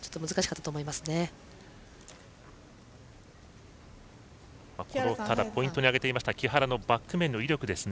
ただポイントに挙げていました木原のバック面の威力ですね。